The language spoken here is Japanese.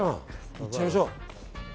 行っちゃいましょう。